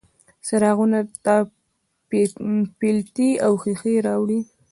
څراغونو ته پیلتې او ښیښې راوړي